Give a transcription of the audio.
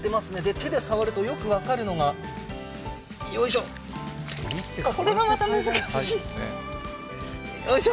手で触るとよくわかるのがこれがまた難しい、よいしょ。